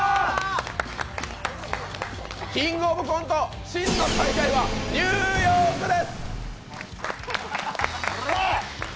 「キングオブコント」、真の最下位はニューヨークです。